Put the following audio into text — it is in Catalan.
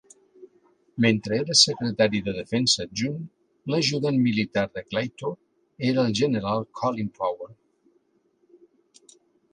Mentre era secretari de defensa adjunt, l'ajudant militar de Claytor era el general Colin Powell.